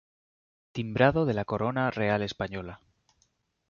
Timbrado de la Corona Real Española.